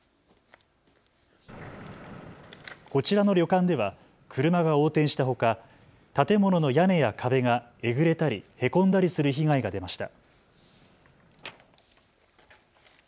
こちらの旅館では車が横転したほか、建物の屋根や壁がえぐれたりへこんだりする被害が出ました。